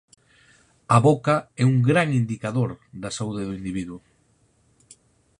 A boca é un gran indicador da saúde do individuo.